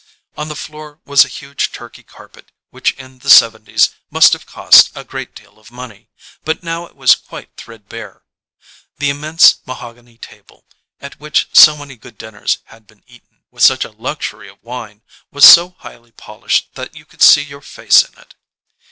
On the floor was a huge Turkey carpet which in the seventies must have cost a great deal of money, but now it was quite threadbare. The immense mahogany table, at which so many good dinners had been eaten, with such a luxury of wine, was so highly polished that you could see your face in it.